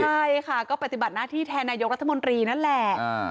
ใช่ค่ะก็ปฏิบัติหน้าที่แทนนายกรัฐมนตรีนั่นแหละ